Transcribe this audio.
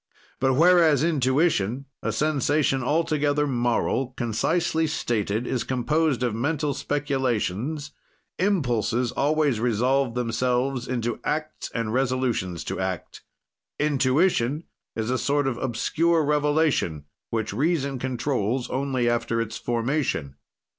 But whereas intuition, a sensation altogether moral, concisely stated, is composed of mental speculations, impulses always resolve themselves into acts and resolutions to act. Intuition is a sort of obscure revelation, which reason controls only after its formation.